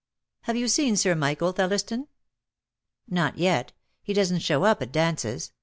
"Have you seen Sir Michael Thelliston?" "Not yet. He doesn't show up at dances.